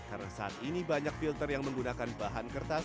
karena saat ini banyak filter yang menggunakan bahan kertas